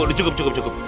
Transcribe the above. udah cukup cukup cukup